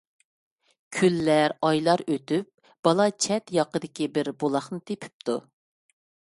كۈنلەر، ئايلار ئۆتۈپ بالا چەت - ياقىدىكى بىر بۇلاقنى تېپىپتۇ.